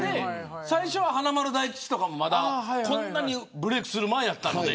最初は華丸大吉とかも、こんなにブレークする前やったんで。